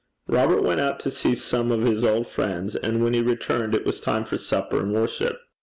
Robert went out to see some of his old friends, and when he returned it was time for supper and worship.